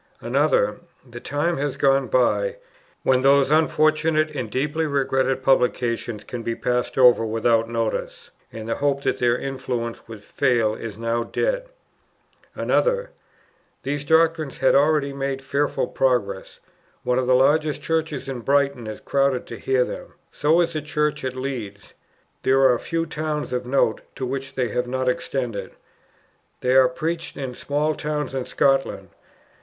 Another: "The time has gone by, when those unfortunate and deeply regretted publications can be passed over without notice, and the hope that their influence would fail is now dead." Another: "These doctrines had already made fearful progress. One of the largest churches in Brighton is crowded to hear them; so is the church at Leeds. There are few towns of note, to which they have not extended. They are preached in small towns in Scotland.